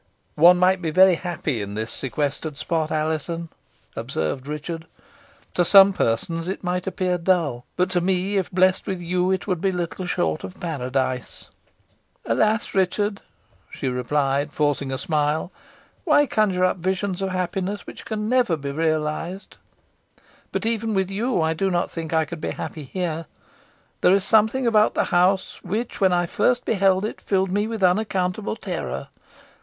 "One might be very happy in this sequestered spot, Alizon," observed Richard. "To some persons it might appear dull, but to me, if blessed with you, it would be little short of Paradise." "Alas! Richard," she replied, forcing a smile, "why conjure up visions of happiness which never can be realised? But even with you I do not think I could be happy here. There is something about the house which, when I first beheld it, filled me with unaccountable terror.